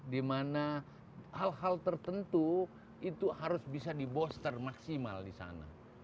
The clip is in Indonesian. dimana hal hal tertentu itu harus bisa di boster maksimal disana